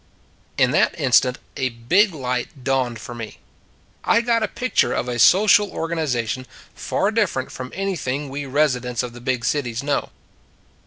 In that instant a big light dawned for me. I got a picture of a social organiza tion far different from anything we resi dents of the big cities know.